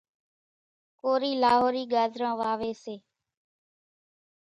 ڪورِي لاهورِي ڳازران واويَ سي۔